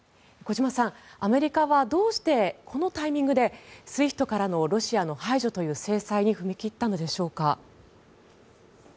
小島さん、アメリカはどうしてこのタイミングでＳＷＩＦＴからのロシアの排除という制裁に踏み切ったのでしょうか。